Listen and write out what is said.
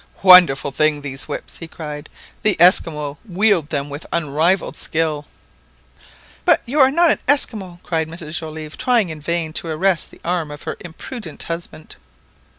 "Wonderful things these whips!" he cried; "the Esquimaux wield them with unrivalled skill !" "But you are not an Esquimaux!" cried Mrs Joliffe, trying in vain to arrest the arm of her imprudent husband.